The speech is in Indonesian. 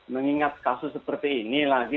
mengingat kasus seperti ini lagi